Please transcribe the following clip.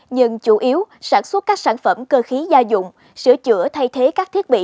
nhưng chủ yếu sản xuất các sản phẩm cơ khí gia dụng sửa chữa thay thế các thiết bị